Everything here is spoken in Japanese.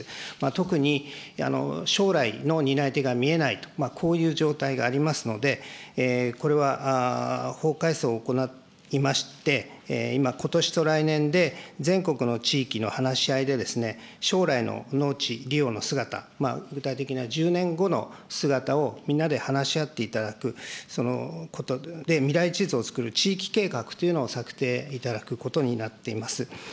特に、将来の担い手が見えないと、こういう状態がありますので、これは法改正を行いまして、今、ことしと来年で、全国の地域の話し合いで、将来の農地利用の姿、具体的な１０年後の姿をみんなで話し合っていただくことで未来地図をつくる地域計画というのを策定いただくことになっています。